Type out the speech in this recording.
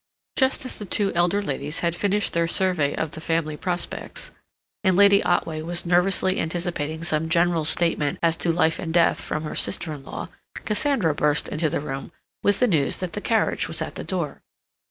Just as the two elder ladies had finished their survey of the family prospects, and Lady Otway was nervously anticipating some general statement as to life and death from her sister in law, Cassandra burst into the room with the news that the carriage was at the door.